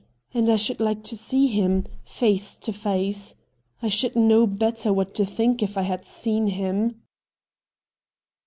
And I should like to see him — face to face. I should know better what to think if I had seen him.'